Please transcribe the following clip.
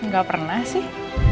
gak pernah sih